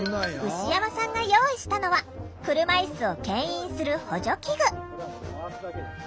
牛山さんが用意したのは車いすをけん引する補助器具。